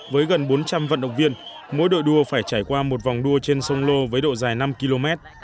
với gần bốn trăm linh vận động viên mỗi đội đua phải trải qua một vòng đua trên sông lô với độ dài năm km